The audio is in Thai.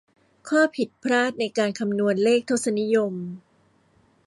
ข้อผิดพลาดในการคำนวณเลขทศนิยม